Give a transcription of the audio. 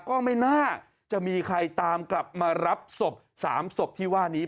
ก็ไม่น่าจะมีใครตามกลับมารับศพ๓ศพที่ว่านี้